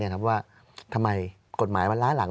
ว่าทำไมกฎหมายมันล้าหลัง